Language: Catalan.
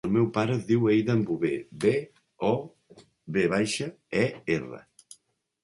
El meu pare es diu Eidan Bover: be, o, ve baixa, e, erra.